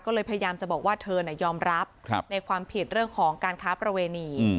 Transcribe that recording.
ก็เลยพยายามจะบอกว่าเธอยอมรับในความผิดเรื่องของการค้าประเวณี